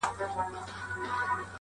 چي کرلي غزل ستوری په ا وبه کم